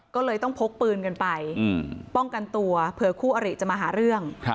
ก็เลยต้องพกปืนกันไปป้องกันตัวเผื่อคู่อริจะมาหาเรื่อง